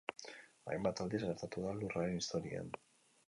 Hainbat aldiz gertatu da Lurraren historian.